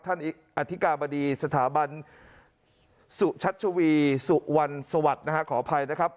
อธิกาบดีสถาบันสุชัชวีสุวรรณสวัสดิ์นะฮะขออภัยนะครับ